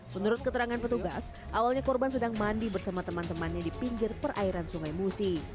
menurut keterangan petugas awalnya korban sedang mandi bersama teman temannya di pinggir perairan sungai musi